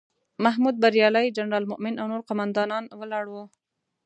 محمود بریالی، جنرال مومن او نور قوماندان ولاړ وو.